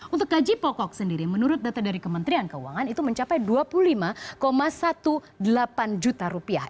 untuk gaji pokok sendiri menurut data dari kementerian keuangan itu mencapai dua puluh lima delapan belas juta rupiah